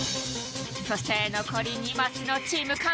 そして残り２マスのチーム